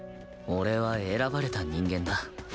俺は選ばれた人間だ